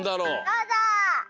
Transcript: どうぞ！